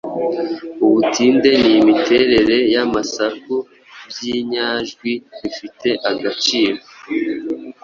Ubutinde n’imiterere y’amasaku by’inyajwi bifite agaciro